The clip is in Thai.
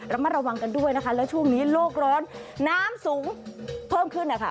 ระมัดระวังกันด้วยนะคะแล้วช่วงนี้โลกร้อนน้ำสูงเพิ่มขึ้นนะคะ